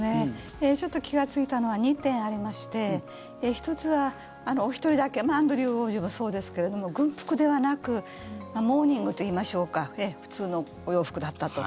ちょっと気がついたのは２点ありまして１つは、お一人だけアンドリュー王子もそうですけれども軍服ではなくモーニングといいましょうか普通のお洋服だったと。